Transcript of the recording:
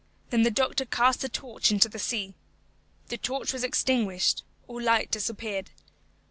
Then the doctor cast the torch into the sea. The torch was extinguished: all light disappeared.